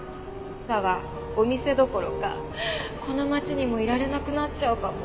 佐和お店どころかこの街にもいられなくなっちゃうかも。